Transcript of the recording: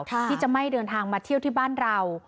ที่จะไม่เดินทางมาเที่ยวที่บ้านเรา